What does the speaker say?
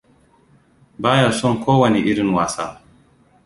Ba ya son ko wanne irin wasa.